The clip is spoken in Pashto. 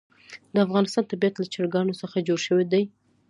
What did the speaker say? د افغانستان طبیعت له چرګانو څخه جوړ شوی دی.